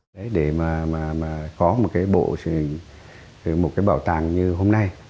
đấy để mà có một cái bộ một cái bảo tàng như hôm nay